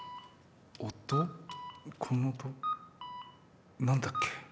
この音何だっけ？